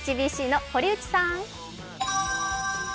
ＨＢＣの堀内さん。